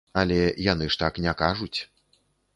Але яны ж так не кажуць.